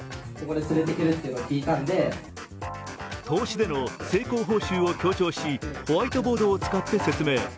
投資での成功報酬を強調しホワイトボードを使って説明。